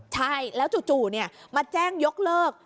ใช่แล้วจู่มาแจ้งยกเลิก